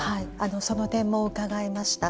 その点も伺いました。